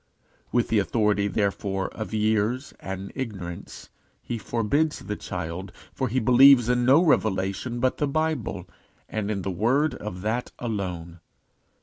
With the authority, therefore, of years and ignorance, he forbids the child, for he believes in no revelation but the Bible, and in the word of that alone.